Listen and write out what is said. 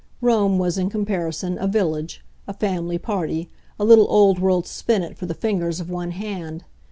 Rome was, in comparison, a village, a family party, a little old world spinnet for the fingers of one hand.